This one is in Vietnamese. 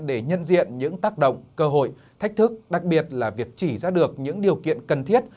để nhân diện những tác động cơ hội thách thức đặc biệt là việc chỉ ra được những điều kiện cần thiết